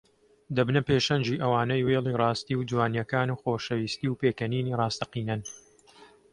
دەبنە پێشەنگی ئەوانەی وێڵی ڕاستی و جوانییەکان و خۆشەویستی و پێکەنینی ڕاستەقینەن